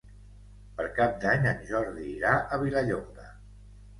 Per Cap d'Any en Jordi irà a Vilallonga.